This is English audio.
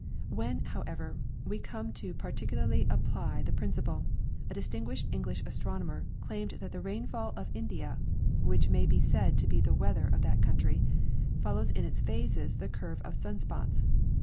AVhen, however, we come to particularly apply the principle, a distinguished English astronomer claimed that the rainfall of India (which may be said to be the weather of that country) follows in its phases the curve of sunspots.